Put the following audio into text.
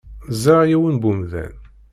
Ẓriɣ yiwen n umdan.